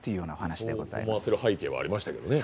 そう思わせる背景はありましたけどね。